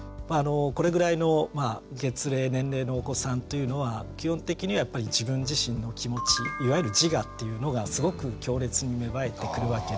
これぐらいの月齢年齢のお子さんというのは基本的には自分自身の気持ちいわゆる自我っていうのがすごく強烈に芽生えてくるわけです。